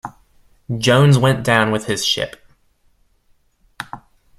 Jones went down with his ship.